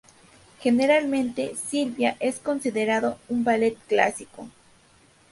Generalmente, "Sylvia" es considerado un ballet clásico.